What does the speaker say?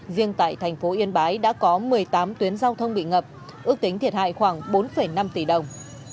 riêng tại thành phố yên bái đã có một mươi tám tuyến giao thông bị ngập ước tính thiệt hại khoảng bốn năm tỷ đồng